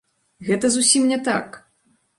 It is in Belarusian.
Гэта зусім не так!